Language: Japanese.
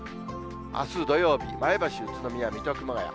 あす土曜日、前橋、宇都宮、水戸、熊谷。